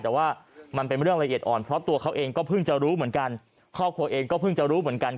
แต่ว่ามันเป็นเรื่องละเอียดอ่อนเพราะตัวเขาเองก็เพิ่งจะรู้เหมือนกัน